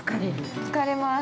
◆疲れます。